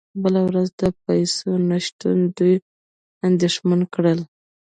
بله ورځ د پیسو نشتون دوی اندیښمن کړل